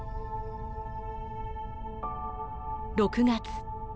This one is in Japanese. ６月。